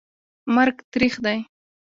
مرګ تریخ دي